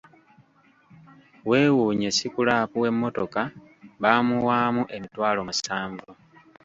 Weewuunye sikulaapu w'emmotoka baamuwaamu emitwalo musanvu.